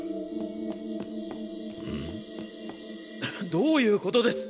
どういうことです！